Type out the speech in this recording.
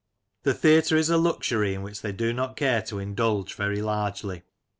The theatre is a luxury in which they do not care to indulge very largely.